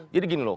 jadi gini loh